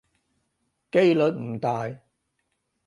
機率唔大